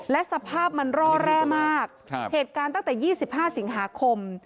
และสภาพมันร่อแร่มากเหตุการณ์ตั้งแต่๒๕สิงหาคม